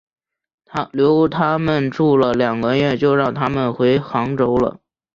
留他们住了两个月就让他们回杭州了。